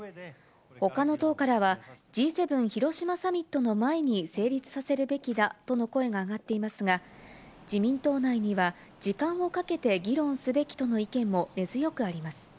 ほかの党からは、Ｇ７広島サミットの前に成立させるべきだとの声が上がっていますが、自民党内には時間をかけて議論すべきとの意見も根強くあります。